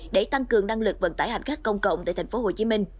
để tăng cường năng lực vận tải hành khách công cộng tại tp hcm